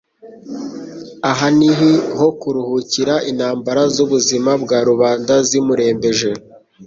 ahanhi ho kuruhukira intambara z'ubuzima bwa rubanda zimurembeje.